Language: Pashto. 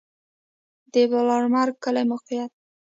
د بالامرګ کلی موقعیت